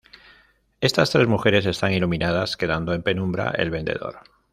Estas tres mujeres están iluminadas, quedando en penumbra el vendedor.